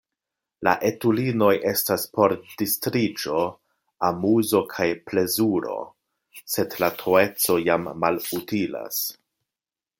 La etulinoj estas por distriĝo, amuzo kaj plezuro, sed la troeco jam malutilas!